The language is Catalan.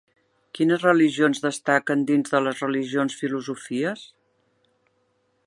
Quines religions destaquen dins de les religions-filosofies?